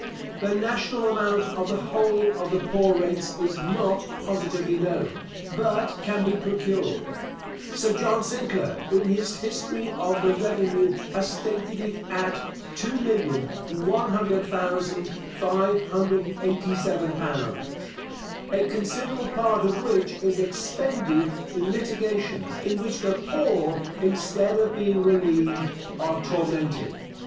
The national amount of the whole of the poor rates is not positively known, but can be procured. Sir John Sinclair, in his History of the Revenue has stated it at L2,100,587. A considerable part of which is expended in litigations, in which the poor, instead of being relieved, are tormented.